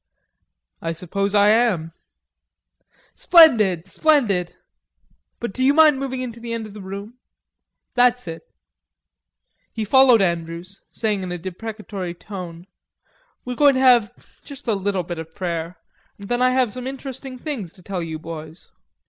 "I suppose I am." "Splendid, splendid.... But do you mind moving into the end of the room.... That's it." He followed Andrews, saying in a deprecatory tone: "We're going to have just a little bit of a prayer and then I have some interesting things to tell you boys."